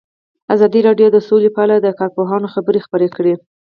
ازادي راډیو د سوله په اړه د کارپوهانو خبرې خپرې کړي.